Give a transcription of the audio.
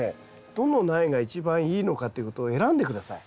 どの苗が一番いいのかということを選んで下さい。